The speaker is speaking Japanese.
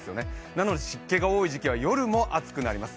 なので湿気が多い時期は夜も暑くなります。